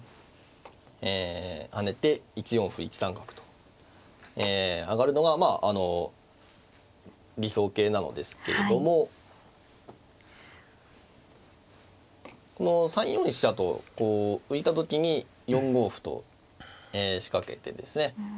跳ねて１四歩１三角と上がるのがまあ理想型なのですけれどもこの３四飛車と浮いた時に４五歩と仕掛けてですね